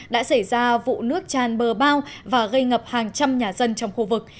đã xảy ra vụ nước tràn bờ bao và gây ngập hàng trăm nhà dân trong khu vực